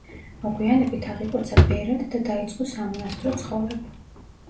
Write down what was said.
მოგვიანებით აღიკვეცა ბერად და დაიწყო სამონასტრო ცხოვრება.